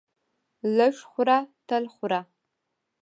لږ خوره تل خوره!